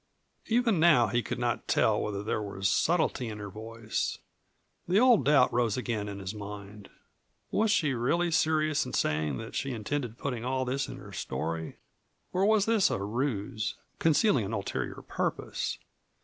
Even now he could not tell whether there was subtlety in her voice The old doubt rose again in his mind. Was she really serious in saying that she intended putting all this in her story, or was this a ruse, concealing an ulterior purpose?